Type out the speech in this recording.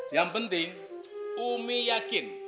yang penting umi yakin